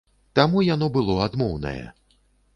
Таму яно было адмоўнае.